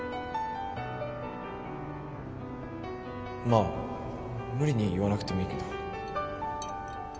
まあ無理に言わなくてもいいけど